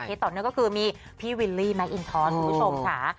ต่อเนื่องก็คือมีพี่วิลลี่แมคอินทอสคุณผู้ชมค่ะ